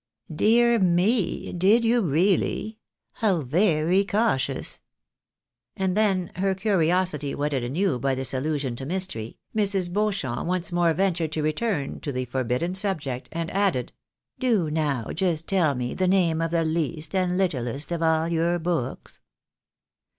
"Dear me! Did you really ? How very cautious !" And then, her curiosity whetted anew by this allusion to mystery, Mrs. Beau champ once more ventured to return to the forbidden subject, and added, " Do now, just tell me the name of the least and littlest of aU your books